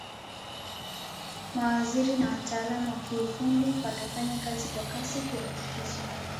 mawaziri na wataalamu wa kiufundi watafanya kazi kwa kasi kuhakikisha